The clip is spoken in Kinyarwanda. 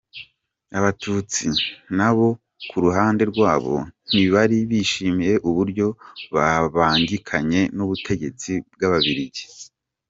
Abatutsi na bo ku ruhande rwabo ntibari bishimiye uburyo babangikanye n’ubutegetsi bw’ababiligi.